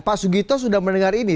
pak sugito sudah mendengar ini